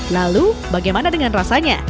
lalu bagaimana dengan rasanya